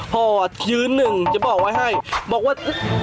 หอดยืนหนึ่งจะบอกไว้ให้บอกว่า